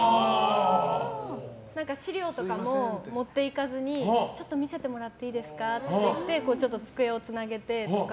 資料とかも持っていかずにちょっと見せてもらっていいですかって言って机をつなげてとか。